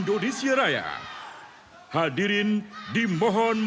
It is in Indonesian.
pemirsa dan hadirin sekalian